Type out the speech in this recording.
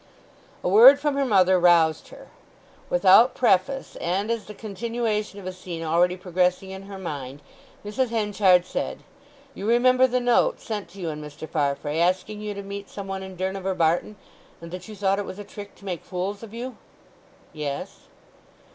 A word from her mother roused her. Without preface, and as the continuation of a scene already progressing in her mind, Mrs. Henchard said: "You remember the note sent to you and Mr. Farfrae—asking you to meet some one in Durnover Barton—and that you thought it was a trick to make fools of you?" "Yes."